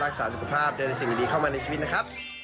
รักษาสุขภาพเจอแต่สิ่งดีเข้ามาในชีวิตนะครับ